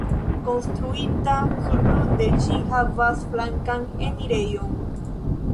Konstruita surgrunde, ĝi havas flankan enirejon.